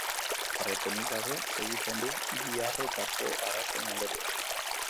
Jarraipenik gabe segitzen du giharretako arazoen ondorioz.